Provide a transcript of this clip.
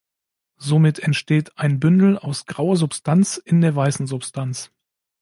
Somit entsteht ein „Bündel“ aus grauer Substanz in der weißen Substanz.